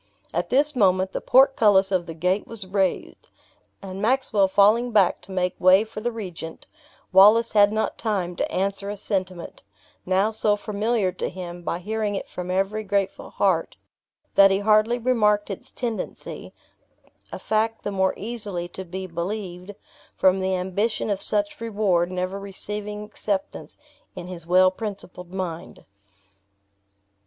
At this moment the portcullis of the gate was raised, and Maxwell falling back to make way for the regent, Wallace had not time to answer a sentiment, now so familiar to him by hearing it from every grateful heart, that he hardly remarked its tendency, a fact the more easily to be believed, from the ambition of such reward never receiving acceptance in his well principled mind.